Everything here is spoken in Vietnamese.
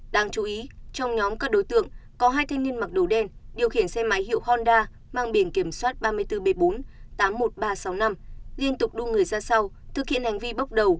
đáng chú ý trong nhóm các đối tượng có hai thanh niên mặc đồ đen điều khiển xe máy hiệu honda mang biển kiểm soát ba mươi bốn b bốn tám mươi một nghìn ba trăm sáu mươi năm liên tục đua người ra sau thực hiện hành vi bốc đầu